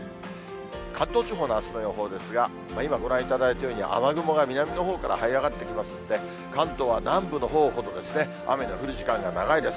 関東地方のあすの予報ですが、今ご覧いただいたように、雨雲が南のほうからはい上がってきますので、関東は南部のほうほど、雨の降る時間が長いです。